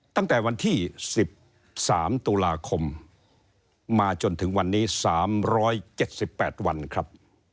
ตั้งแต่วันที่๑๓ตุลาคมมาจนถึงวันนี้๓๗๘วันครับ